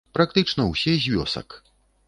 Практычна ўсе з вёсак.